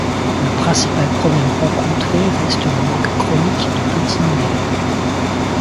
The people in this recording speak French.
Le principal problème rencontré reste le manque chronique de petit numéraire.